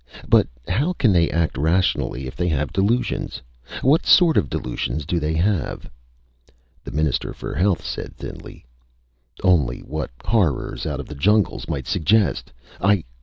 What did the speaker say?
But how can they act rationally if they have delusions? What sort of delusions do they have?" The Minister for Health said thinly: "Only what horrors out of the jungles might suggest! I